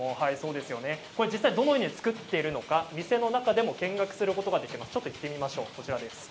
実際、どのように作っているのか店の中でも見学することができます。